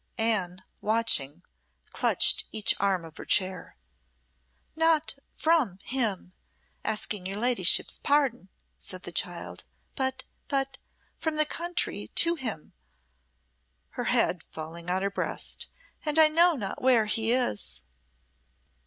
Anne, watching, clutched each arm of her chair. "Not from him, asking your ladyship's pardon," said the child, "but but from the country to him," her head falling on her breast, "and I know not where he is."